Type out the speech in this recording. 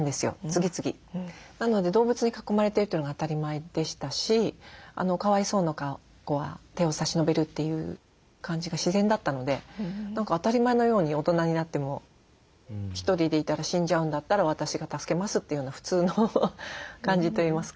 なので動物に囲まれてるというのが当たり前でしたしかわいそうな子は手を差し伸べるという感じが自然だったので何か当たり前のように大人になっても１人でいたら死んじゃうんだったら私が助けますというような普通の感じといいますか。